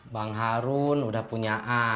bang harun udah punya a